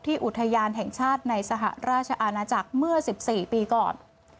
อุทยานแห่งชาติในสหราชอาณาจักรเมื่อ๑๔ปีก่อน